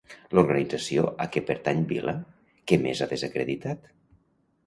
L'organització a què pertany Vila, què més ha desacreditat?